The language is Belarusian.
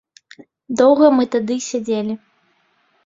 Доўга мы тады сядзелі.